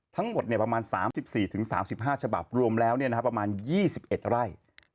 ทั้งหมดประมาณ๓๔๓๕ฉบับรวมแล้วประมาณ๒๑ไร่